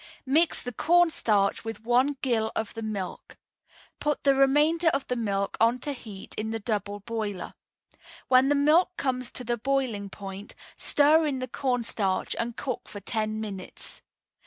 Mix the cornstarch with one gill of the milk. Put the remainder of the milk on to heat in the double boiler. When the milk comes to the boiling point, stir in the cornstarch and cook for ten minutes.